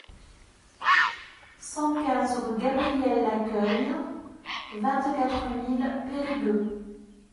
cent quinze rue Gabriel Lacueille, vingt-quatre mille Périgueux